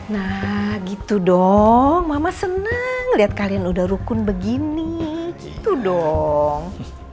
nah gitu dong mama seneng liat kalian udah rukun begini gitu dong